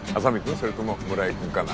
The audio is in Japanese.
それとも村井君かな？